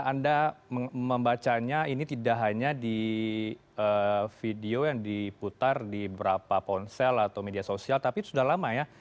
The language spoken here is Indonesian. anda membacanya ini tidak hanya di video yang diputar di beberapa ponsel atau media sosial tapi sudah lama ya